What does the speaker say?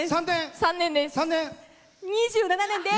３年です。